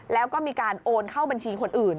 แล้วก็มีการโอนเข้าบัญชีคนอื่น